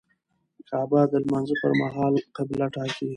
کعبه د لمانځه پر مهال قبله ټاکي.